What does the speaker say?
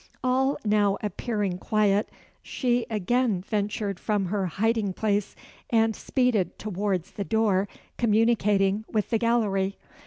All now appearing quiet, she again ventured from her hiding place, and speeded towards the door communicating with the gallery.